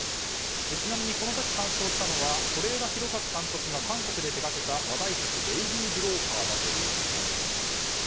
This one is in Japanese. ちなみにこの時鑑賞したのは是枝裕和監督が韓国で手掛けた話題作「ベイビー・ブローカー」ということです。